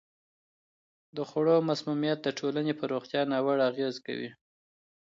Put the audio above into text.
د خوړو مسمومیت د ټولنې په روغتیا ناوړه اغېزه کوي.